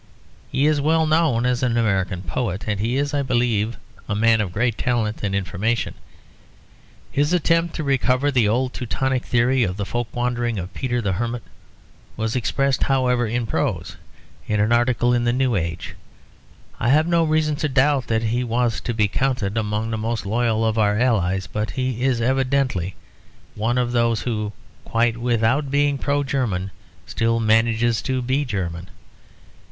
He is well known as an American poet; and he is, I believe, a man of great talent and information. His attempt to recover the old Teutonic theory of the Folk Wandering of Peter the Hermit was expressed, however, in prose; in an article in the New Age. I have no reason to doubt that he was to be counted among the most loyal of our allies; but he is evidently one of those who, quite without being Pro German, still manage to be German.